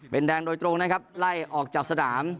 เป็นแดงโดยตรงนะครับไล่ออกจากสนาม